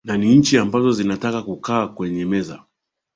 na ni nchi ambazo zinataka kukaa kwenye meza